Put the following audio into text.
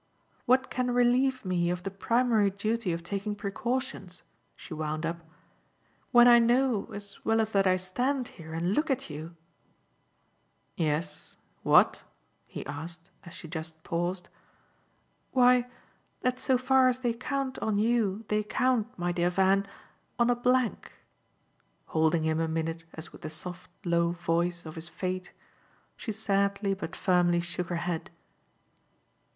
"What can relieve me of the primary duty of taking precautions," she wound up, "when I know as well as that I stand here and look at you " "Yes, what?" he asked as she just paused. "Why that so far as they count on you they count, my dear Van, on a blank." Holding him a minute as with the soft low voice of his fate, she sadly but firmly shook her head.